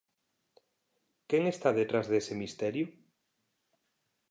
¿Quen está detrás dese misterio?